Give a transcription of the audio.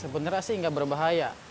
sebenarnya sih nggak berbahaya